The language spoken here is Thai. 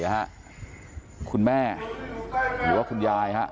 นะฮะคุณแม่หรือว่าคุณยายนะฮะ